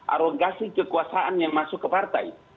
arogasi kekuasaan yang masuk ke partai